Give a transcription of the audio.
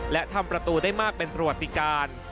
และทำประตูได้มากเป็นประวัติการ